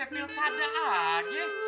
mau ke piltada aja